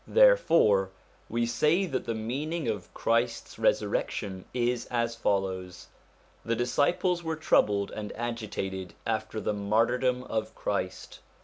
Therefore we say that the meaning of Christ's resur rection is as follows: the disciples were troubled and agitated after the martyrdom of Christ.